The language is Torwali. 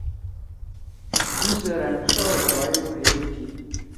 دُو سیرأن ݜا او کُھوا ئے بھئیل تھی۔